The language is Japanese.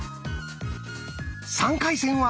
３回戦は。